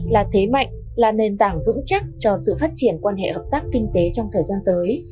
là thế mạnh là nền tảng vững chắc cho sự phát triển quan hệ hợp tác kinh tế trong thời gian tới